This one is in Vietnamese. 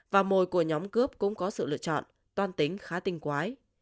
và mồi của nhóm cướp cũng có sự lựa chọn toan tính khá tinh quái